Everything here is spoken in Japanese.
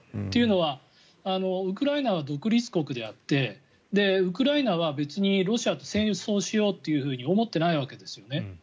というのはウクライナは独立国であってウクライナは別にロシアと戦争しようと思っていないわけですよね。